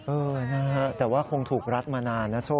เออนะฮะแต่ว่าคงถูกรัดมานานนะโซ่